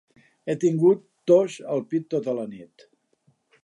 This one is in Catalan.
He tingut tos al pit tota la nit.